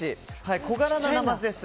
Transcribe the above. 小柄なナマズです。